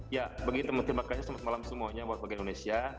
ya bagi teman teman terima kasih selamat malam semuanya buat bagi indonesia